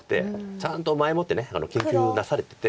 ちゃんと前もって研究なされてて。